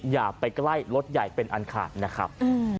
อย่าไปใกล้รถใหญ่เป็นอันขาดนะครับ